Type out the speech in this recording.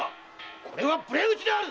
これは無礼討ちである！